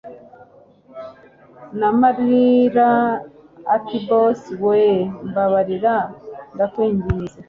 namarira atiboss weeee mbabarira ndakwinginze